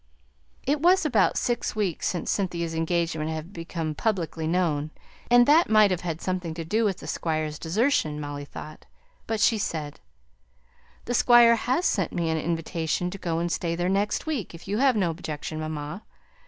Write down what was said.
It was about six weeks since Cynthia's engagement had become publicly known, and that might have had something to do with the Squire's desertion, Molly thought. But she said, "The Squire has sent me an invitation to go and stay there next week if you have no objection, mamma.